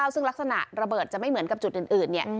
ซึ่งลักษณะระเบิดจะไม่เหมือนกับจุดอื่น